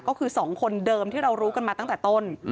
ก็คือ๒คนเดิมที่เรารู้กันมาตั้งแต่ต้น